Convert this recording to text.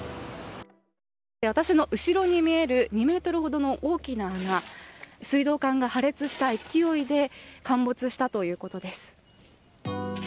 私の後ろに見える２ｍほどの大きな穴水道管が破裂した勢いで陥没したということです。